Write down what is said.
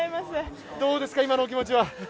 どうですか、今のお気持ちは。